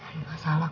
bukan gue yang salah